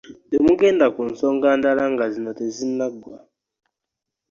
Temugenda ku nsonga ndala nga zino tezinnaggwa.